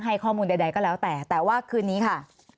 ให้ข้อมูลใดก็แล้วแต่แต่ว่าคืนนี้ค่ะ